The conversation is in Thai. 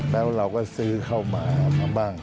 แล้วเราก็ซื้อเข้ามามาบ้าง